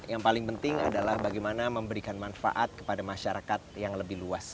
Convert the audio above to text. yang paling penting adalah bagaimana memberikan manfaat kepada masyarakat yang lebih luas